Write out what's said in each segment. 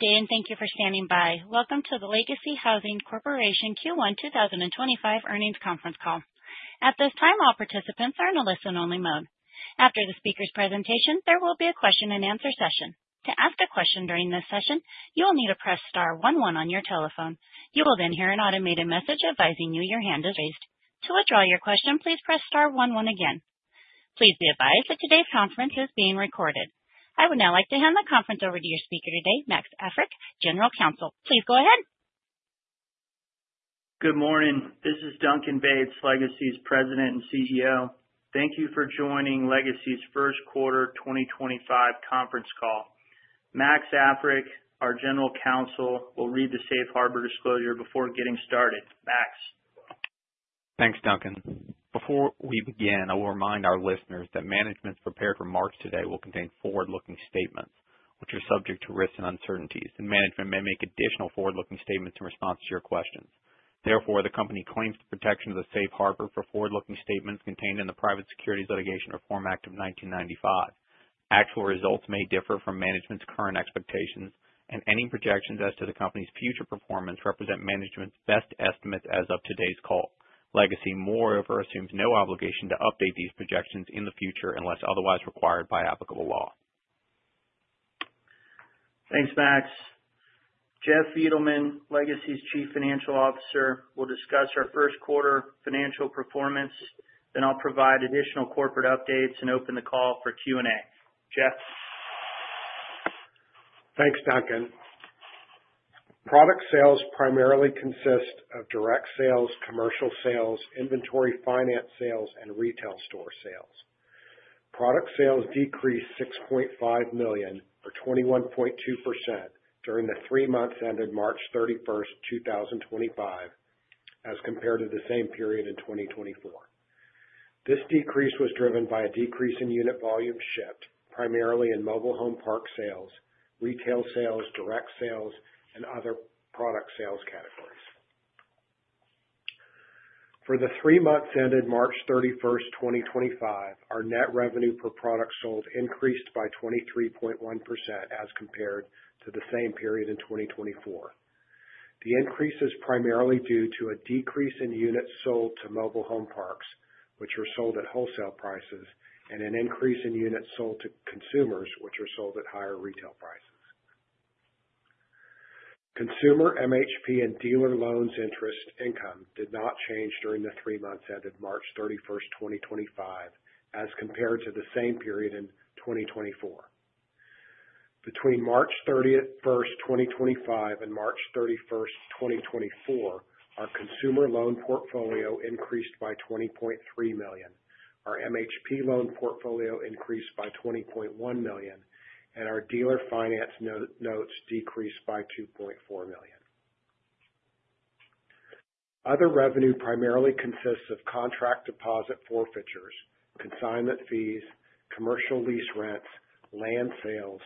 Good day and thank you for standing by. Welcome to the Legacy Housing Corporation Q1 2025 Earnings Conference Call. At this time, all participants are in a listen-only mode. After the speaker's presentation, there will be a question-and-answer session. To ask a question during this session, you will need to press star one one on your telephone. You will then hear an automated message advising you your hand is raised. To withdraw your question, please press star one one again. Please be advised that today's conference is being recorded. I would now like to hand the conference over to your speaker today, Max Affrick, General Counsel. Please go ahead. Good morning. This is Duncan Bates, Legacy's President and CEO. Thank you for joining Legacy's First Quarter 2025 conference call. Max Africk, our General Counsel, will read the safe harbor disclosure before getting started. Max. Thanks, Duncan. Before we begin, I will remind our listeners that management's prepared remarks today will contain forward-looking statements, which are subject to risks and uncertainties, and management may make additional forward-looking statements in response to your questions. Therefore, the company claims the protection of the safe harbor for forward-looking statements contained in the Private Securities Litigation Reform Act of 1995. Actual results may differ from management's current expectations, and any projections as to the company's future performance represent management's best estimates as of today's call. Legacy, moreover, assumes no obligation to update these projections in the future unless otherwise required by applicable law. Thanks, Max. Jeff Fiedelman, Legacy's Chief Financial Officer, will discuss our first quarter financial performance. Then I'll provide additional corporate updates and open the call for Q&A. Jeff. Thanks, Duncan. Product sales primarily consist of direct sales, commercial sales, inventory finance sales, and retail store sales. Product sales decreased $6.5 million or 21.2% during the three months ended March 31st, 2025, as compared to the same period in 2024. This decrease was driven by a decrease in unit volume shipped, primarily in mobile home park sales, retail sales, direct sales, and other product sales categories. For the three months ended March 31st, 2025, our net revenue per product sold increased by 23.1% as compared to the same period in 2024. The increase is primarily due to a decrease in units sold to mobile home parks, which were sold at wholesale prices, and an increase in units sold to consumers, which were sold at higher retail prices. Consumer MHP and dealer loans interest income did not change during the three months ended March 31st, 2025, as compared to the same period in 2024. Between March 31st, 2025, and March 31st, 2024, our consumer loan portfolio increased by $20.3 million, our MHP loan portfolio increased by $20.1 million, and our dealer finance notes decreased by $2.4 million. Other revenue primarily consists of contract deposit forfeitures, consignment fees, commercial lease rents, land sales,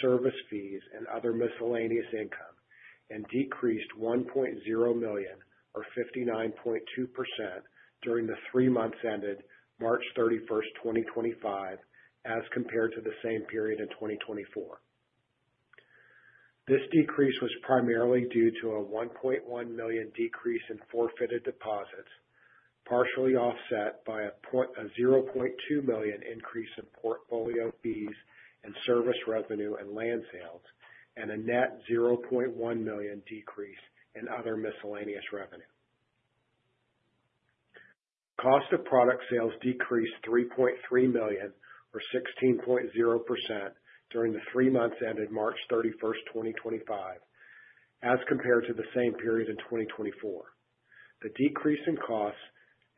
service fees, and other miscellaneous income, and decreased $1.0 million or 59.2% during the three months ended March 31st, 2025, as compared to the same period in 2024. This decrease was primarily due to a $1.1 million decrease in forfeited deposits, partially offset by a $0.2 million increase in portfolio fees and service revenue and land sales, and a net $0.1 million decrease in other miscellaneous revenue. Cost of product sales decreased $3.3 million or 16.0% during the three months ended March 31st, 2025, as compared to the same period in 2024. The decrease in costs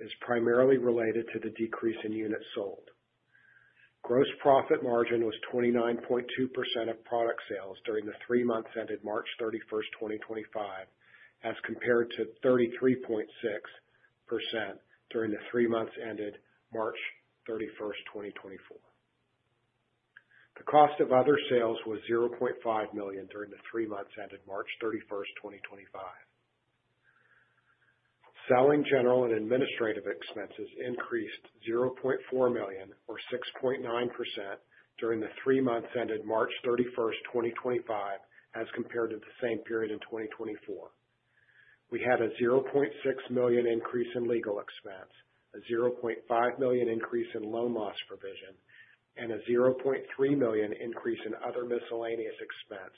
is primarily related to the decrease in units sold. Gross profit margin was 29.2% of product sales during the three months ended March 31st, 2025, as compared to 33.6% during the three months ended March 31st, 2024. The cost of other sales was $0.5 million during the three months ended March 31, 2025. Selling, general and administrative expenses increased $0.4 million or 6.9% during the three months ended March 31st, 2025, as compared to the same period in 2024. We had a $0.6 million increase in legal expense, a $0.5 million increase in loan loss provision, and a $0.3 million increase in other miscellaneous expense,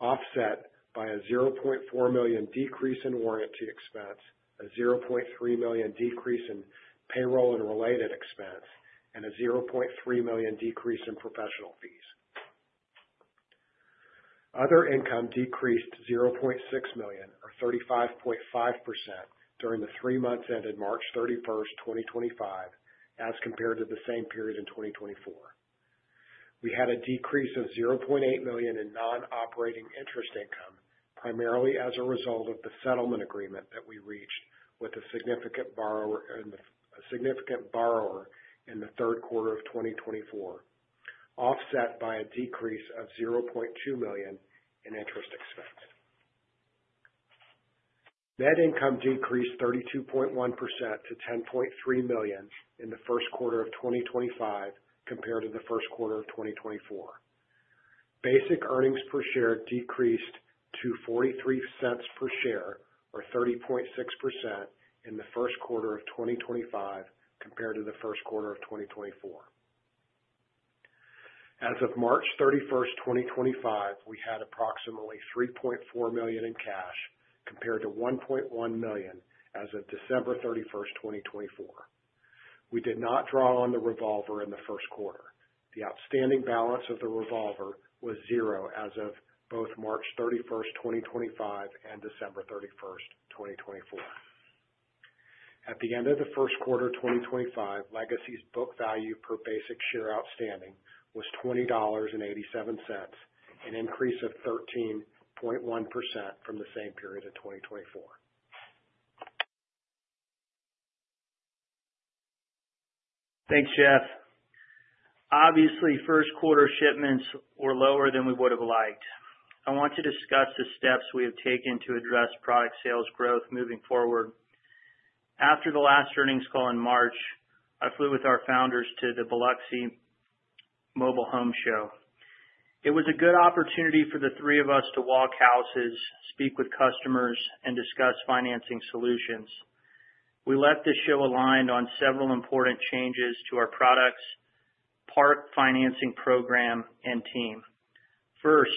offset by a $0.4 million decrease in warranty expense, a $0.3 million decrease in payroll and related expense, and a $0.3 million decrease in professional fees. Other income decreased $0.6 million or 35.5% during the three months ended March 31st, 2025, as compared to the same period in 2024. We had a decrease of $0.8 million in non-operating interest income, primarily as a result of the settlement agreement that we reached with a significant borrower in the third quarter of 2024, offset by a decrease of $0.2 million in interest expense. Net income decreased 32.1% to $10.3 million in the first quarter of 2025 compared to the first quarter of 2024. Basic earnings per share decreased to $0.43 per share or 30.6% in the first quarter of 2025 compared to the first quarter of 2024. As of March 31st, 2025, we had approximately $3.4 million in cash compared to $1.1 million as of December 31st, 2024. We did not draw on the revolver in the first quarter. The outstanding balance of the revolver was zero as of both March 31st, 2025, and December 31st, 2024. At the end of the first quarter of 2025, Legacy's book value per basic share outstanding was $20.87, an increase of 13.1% from the same period in 2024. Thanks, Jeff. Obviously, first quarter shipments were lower than we would have liked. I want to discuss the steps we have taken to address product sales growth moving forward. After the last earnings call in March, I flew with our founders to the Biloxi Mobile Home Show. It was a good opportunity for the three of us to walk houses, speak with customers, and discuss financing solutions. We left the show aligned on several important changes to our products, park financing program, and team. First,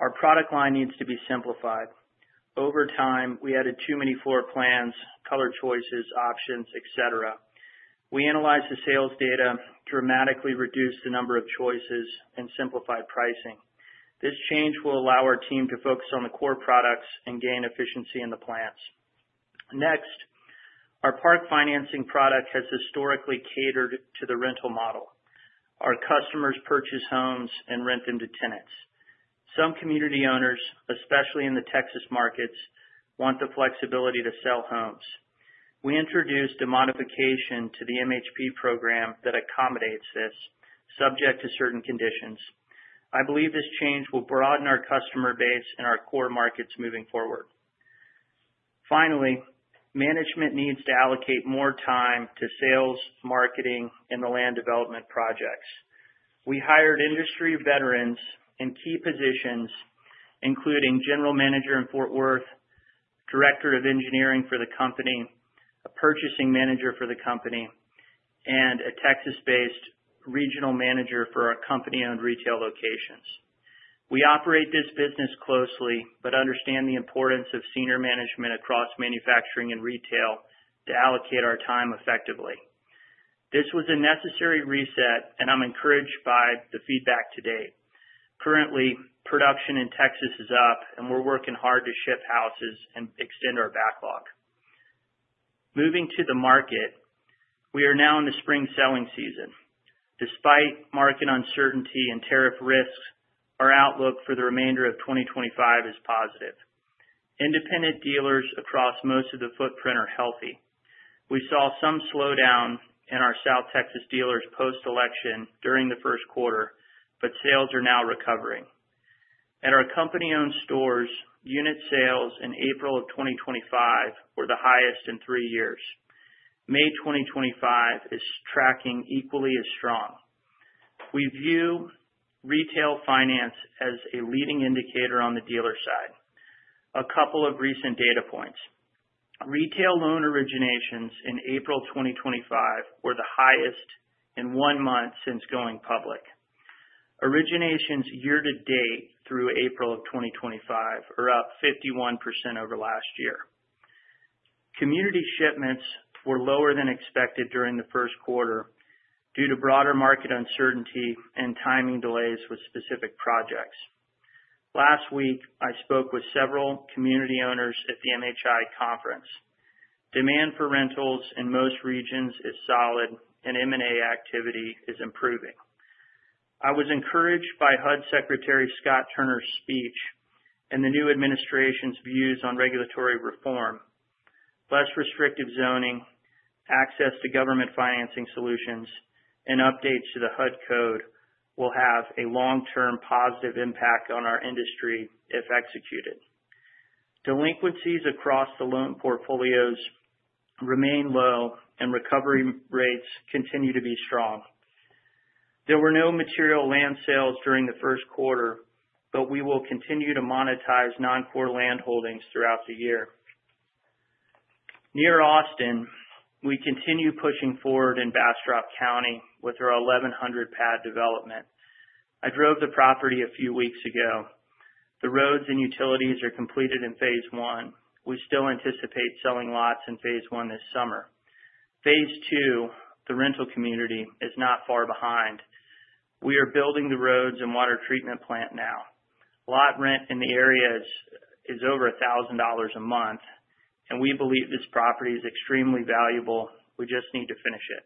our product line needs to be simplified. Over time, we added too many floor plans, color choices, options, etc. We analyzed the sales data, dramatically reduced the number of choices, and simplified pricing. This change will allow our team to focus on the core products and gain efficiency in the plants. Next, our park financing product has historically catered to the rental model. Our customers purchase homes and rent them to tenants. Some community owners, especially in the Texas markets, want the flexibility to sell homes. We introduced a modification to the MHP program that accommodates this, subject to certain conditions. I believe this change will broaden our customer base and our core markets moving forward. Finally, management needs to allocate more time to sales, marketing, and the land development projects. We hired industry veterans in key positions, including General Manager in Fort Worth, Director of Engineering for the company, a Purchasing Manager for the company, and a Texas-based Regional Manager for our company-owned retail locations. We operate this business closely but understand the importance of senior management across manufacturing and retail to allocate our time effectively. This was a necessary reset, and I'm encouraged by the feedback today. Currently, production in Texas is up, and we're working hard to ship houses and extend our backlog. Moving to the market, we are now in the spring selling season. Despite market uncertainty and tariff risks, our outlook for the remainder of 2025 is positive. Independent dealers across most of the footprint are healthy. We saw some slowdown in our South Texas dealers post-election during the first quarter, but sales are now recovering. At our company-owned stores, unit sales in April of 2025 were the highest in three years. May 2025 is tracking equally as strong. We view retail finance as a leading indicator on the dealer side. A couple of recent data points: retail loan originations in April 2025 were the highest in one month since going public. Originations year-to-date through April of 2025 are up 51% over last year. Community shipments were lower than expected during the first quarter due to broader market uncertainty and timing delays with specific projects. Last week, I spoke with several community owners at the MHI conference. Demand for rentals in most regions is solid, and M&A activity is improving. I was encouraged by HUD Secretary Scott Turner's speech and the new administration's views on regulatory reform. Less restrictive zoning, access to government financing solutions, and updates to the HUD code will have a long-term positive impact on our industry if executed. Delinquencies across the loan portfolios remain low, and recovery rates continue to be strong. There were no material land sales during the first quarter, but we will continue to monetize non-core land holdings throughout the year. Near Austin, we continue pushing forward in Bastrop County with our 1,100 pad development. I drove the property a few weeks ago. The roads and utilities are completed in phase one. We still anticipate selling lots in phase one this summer. Phase two, the rental community, is not far behind. We are building the roads and water treatment plant now. Lot rent in the area is over $1,000 a month, and we believe this property is extremely valuable. We just need to finish it.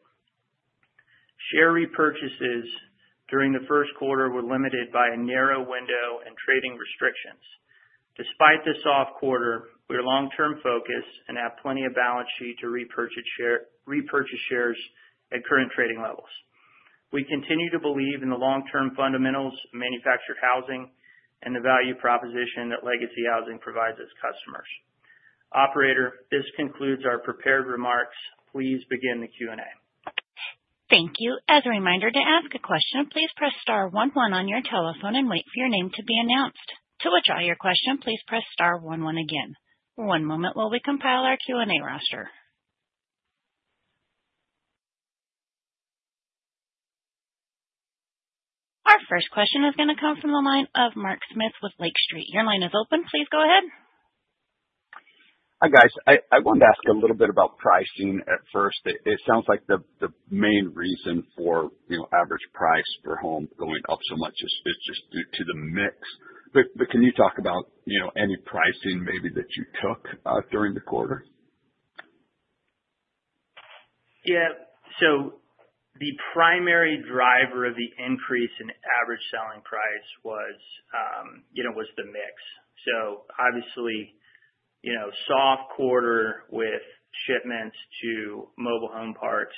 Share repurchases during the first quarter were limited by a narrow window and trading restrictions. Despite the soft quarter, we are long-term focused and have plenty of balance sheet to repurchase shares at current trading levels. We continue to believe in the long-term fundamentals, manufactured housing, and the value proposition that Legacy Housing provides its customers. Operator, this concludes our prepared remarks. Please begin the Q&A. Thank you. As a reminder, to ask a question, please press star one one on your telephone and wait for your name to be announced. To withdraw your question, please press star one one again. One moment while we compile our Q&A roster. Our first question is going to come from the line of Mark Smith with Lake Street. Your line is open. Please go ahead. Hi, guys. I wanted to ask a little bit about pricing at first. It sounds like the main reason for average price per home going up so much is just due to the mix. Can you talk about any pricing maybe that you took during the quarter? Yeah. The primary driver of the increase in average selling price was the mix. Obviously, soft quarter with shipments to mobile home parks,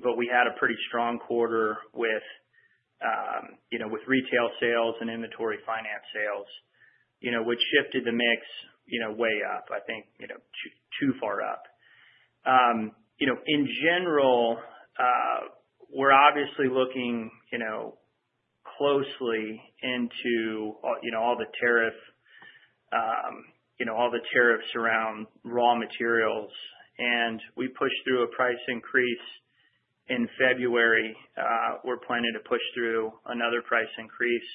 but we had a pretty strong quarter with retail sales and inventory finance sales, which shifted the mix way up, I think too far up. In general, we're obviously looking closely into all the tariffs around raw materials. We pushed through a price increase in February. We're planning to push through another price increase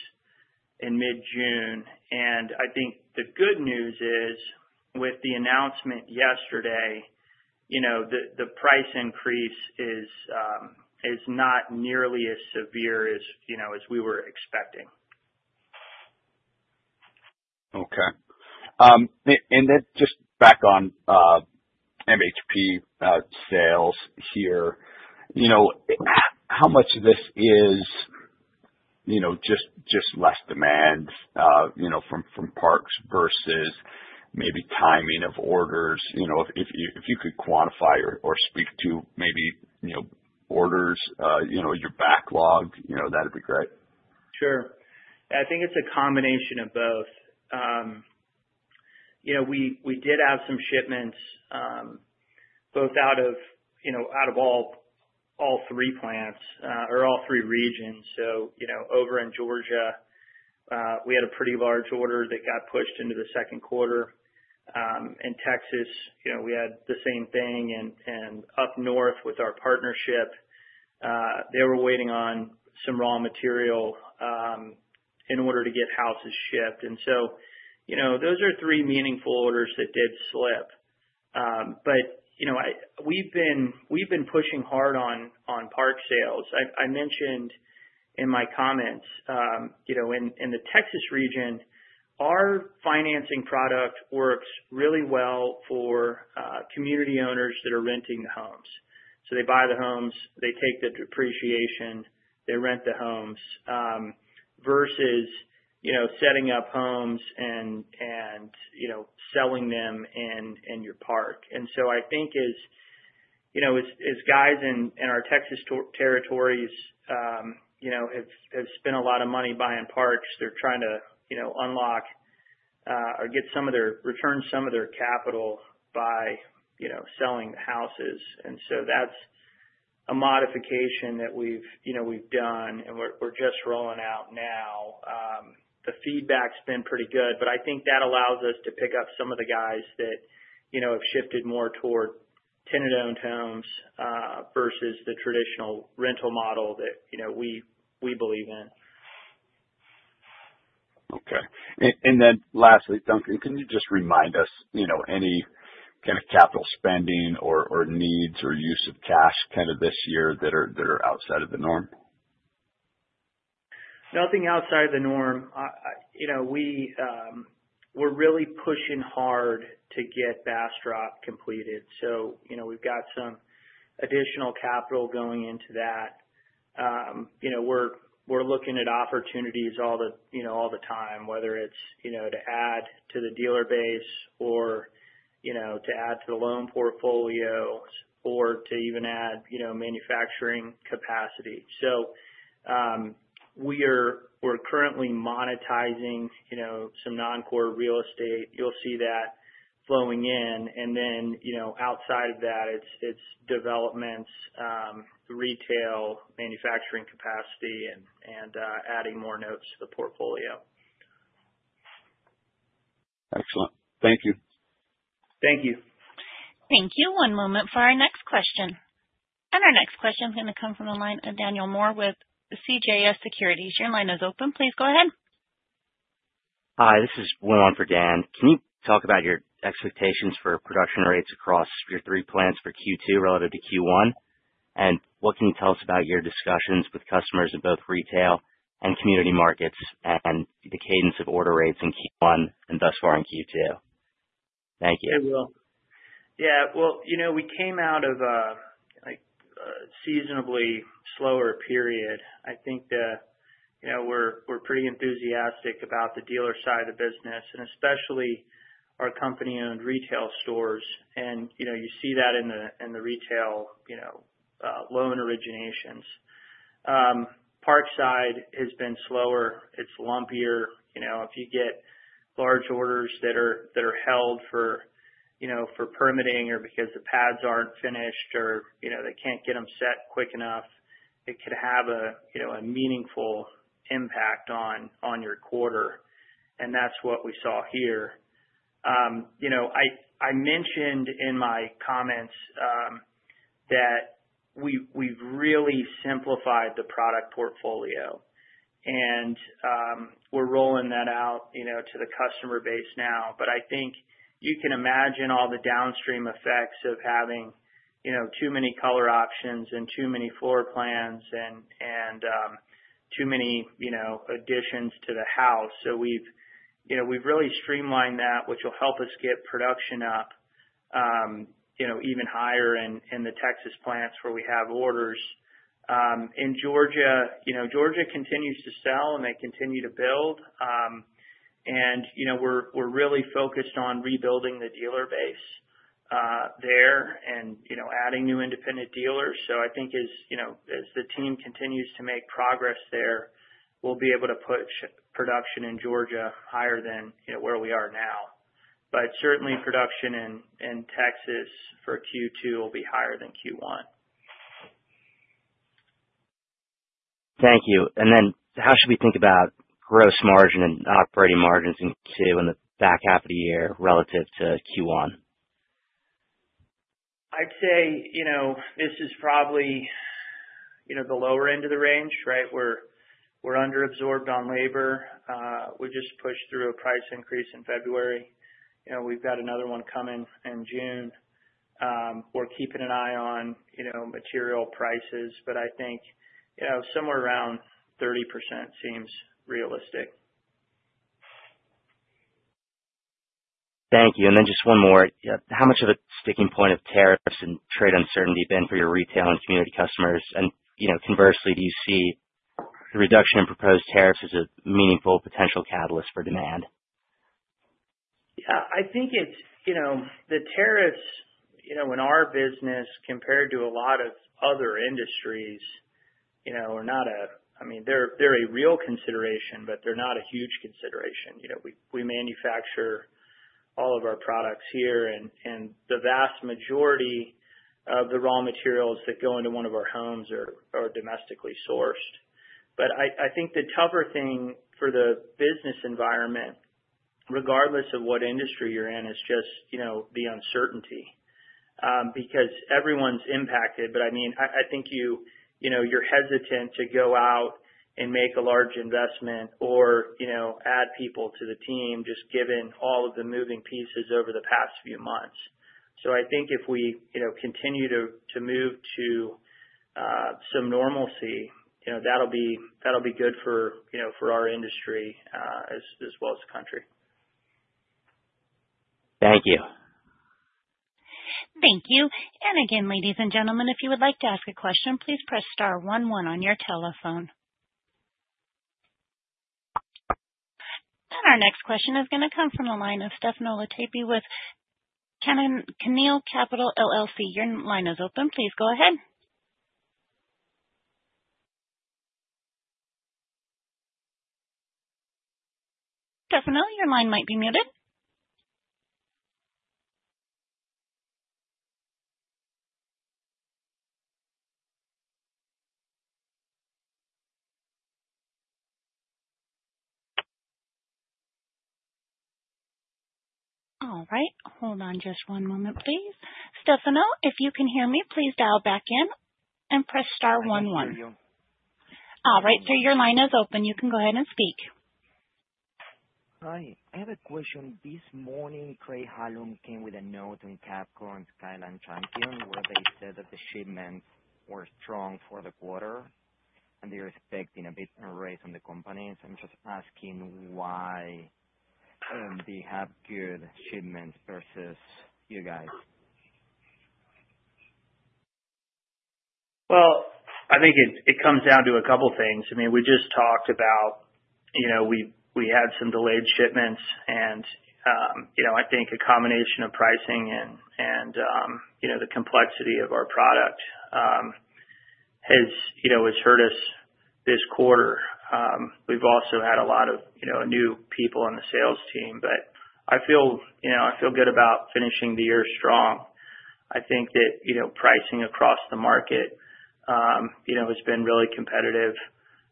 in mid-June. I think the good news is, with the announcement yesterday, the price increase is not nearly as severe as we were expecting. Okay. Just back on MHP sales here, how much of this is just less demand from parks versus maybe timing of orders? If you could quantify or speak to maybe orders, your backlog, that would be great. Sure. I think it's a combination of both. We did have some shipments both out of all three plants or all three regions. Over in Georgia, we had a pretty large order that got pushed into the second quarter. In Texas, we had the same thing. Up north with our partnership, they were waiting on some raw material in order to get houses shipped. Those are three meaningful orders that did slip. We have been pushing hard on park sales. I mentioned in my comments, in the Texas region, our financing product works really well for community owners that are renting the homes. They buy the homes, they take the depreciation, they rent the homes versus setting up homes and selling them in your park. I think as guys in our Texas territories have spent a lot of money buying parks, they're trying to unlock or get some of their return, some of their capital, by selling the houses. That's a modification that we've done, and we're just rolling out now. The feedback's been pretty good, but I think that allows us to pick up some of the guys that have shifted more toward tenant-owned homes versus the traditional rental model that we believe in. Okay. Lastly, Duncan, can you just remind us any kind of capital spending or needs or use of cash kind of this year that are outside of the norm? Nothing outside of the norm. We're really pushing hard to get Bastrop completed. We've got some additional capital going into that. We're looking at opportunities all the time, whether it's to add to the dealer base or to add to the loan portfolio or to even add manufacturing capacity. We're currently monetizing some non-core real estate. You'll see that flowing in. Outside of that, it's developments, retail, manufacturing capacity, and adding more notes to the portfolio. Excellent. Thank you. Thank you. Thank you. One moment for our next question. Our next question is going to come from the line of Daniel Moore with CJS Securities. Your line is open. Please go ahead. Hi. This is Will for Dan. Can you talk about your expectations for production rates across your three plants for Q2 relative to Q1? What can you tell us about your discussions with customers in both retail and community markets and the cadence of order rates in Q1 and thus far in Q2? Thank you. I will. Yeah. We came out of a seasonably slower period. I think we're pretty enthusiastic about the dealer side of the business, and especially our company-owned retail stores. You see that in the retail loan originations. Parkside has been slower. It's lumpier. If you get large orders that are held for permitting or because the pads are not finished or they cannot get them set quick enough, it could have a meaningful impact on your quarter. That is what we saw here. I mentioned in my comments that we've really simplified the product portfolio, and we're rolling that out to the customer base now. I think you can imagine all the downstream effects of having too many color options and too many floor plans and too many additions to the house. We have really streamlined that, which will help us get production up even higher in the Texas plants where we have orders. In Georgia, Georgia continues to sell, and they continue to build. We are really focused on rebuilding the dealer base there and adding new independent dealers. I think as the team continues to make progress there, we will be able to push production in Georgia higher than where we are now. Certainly, production in Texas for Q2 will be higher than Q1. Thank you. How should we think about gross margin and operating margins in Q2 in the back half of the year relative to Q1? I'd say this is probably the lower end of the range, right? We're underabsorbed on labor. We just pushed through a price increase in February. We've got another one coming in June. We're keeping an eye on material prices, but I think somewhere around 30% seems realistic. Thank you. Just one more. How much of a sticking point have tariffs and trade uncertainty been for your retail and community customers? Conversely, do you see the reduction in proposed tariffs as a meaningful potential catalyst for demand? Yeah. I think the tariffs in our business, compared to a lot of other industries, are not a—I mean, they're a real consideration, but they're not a huge consideration. We manufacture all of our products here, and the vast majority of the raw materials that go into one of our homes are domestically sourced. I think the tougher thing for the business environment, regardless of what industry you're in, is just the uncertainty because everyone's impacted. I mean, I think you're hesitant to go out and make a large investment or add people to the team just given all of the moving pieces over the past few months. I think if we continue to move to some normalcy, that'll be good for our industry as well as the country. Thank you. Thank you. If you would like to ask a question, please press star one one on your telephone. Our next question is going to come from the line of Stefano Latapy with Cannell Capital LLC. Your line is open. Please go ahead. Stefano, your line might be muted. Hold on just one moment, please. Stefano, if you can hear me, please dial back in and press star one one. Your line is open. You can go ahead and speak. Hi. I have a question. This morning, Craig-Hallum came with a note on Cavco and Skyline Champion where they said that the shipments were strong for the quarter, and they are expecting a bit of a raise on the companies. I'm just asking why they have good shipments versus you guys. I think it comes down to a couple of things. I mean, we just talked about we had some delayed shipments, and I think a combination of pricing and the complexity of our product has hurt us this quarter. We've also had a lot of new people on the sales team, but I feel good about finishing the year strong. I think that pricing across the market has been really competitive,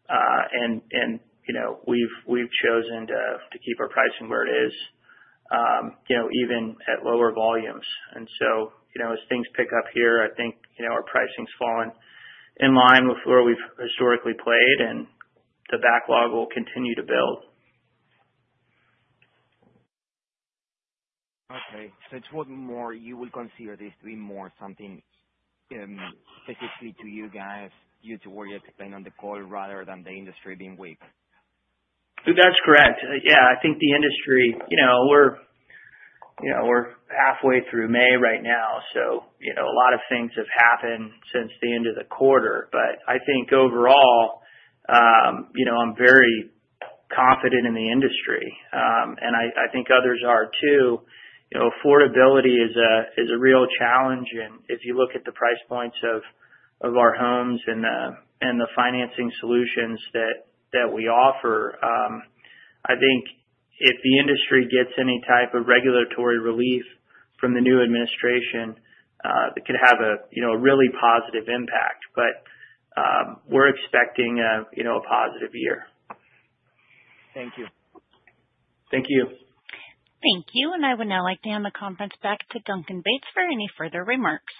and we've chosen to keep our pricing where it is, even at lower volumes. As things pick up here, I think our pricing's fallen in line with where we've historically played, and the backlog will continue to build. Okay. So it's what more you will consider this to be more something specifically to you guys, you to where you explain on the call rather than the industry being weak? That's correct. Yeah. I think the industry, we're halfway through May right now, so a lot of things have happened since the end of the quarter. I think overall, I'm very confident in the industry, and I think others are too. Affordability is a real challenge. If you look at the price points of our homes and the financing solutions that we offer, I think if the industry gets any type of regulatory relief from the new administration, it could have a really positive impact. We're expecting a positive year. Thank you. Thank you. Thank you. I would now like to hand the conference back to Duncan Bates for any further remarks.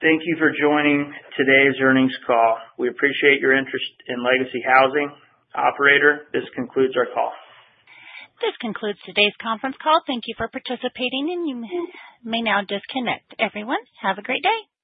Thank you for joining today's earnings call. We appreciate your interest in Legacy Housing Corporation. This concludes our call. This concludes today's conference call. Thank you for participating, and you may now disconnect. Everyone, have a great day.